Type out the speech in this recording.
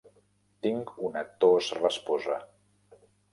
Tinc una tos rasposa.